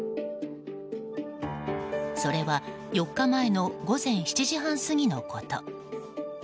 それは４日前の午前７時半過ぎのこと。